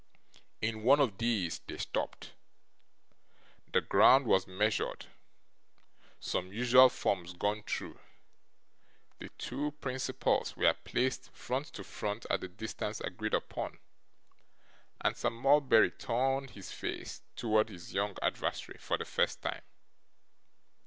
In one of these, they stopped. The ground was measured, some usual forms gone through, the two principals were placed front to front at the distance agreed upon, and Sir Mulberry turned his face towards his young adversary for the first time.